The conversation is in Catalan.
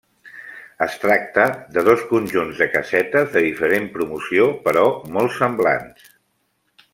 Es tracta de dos conjunts de casetes de diferent promoció però molt semblants.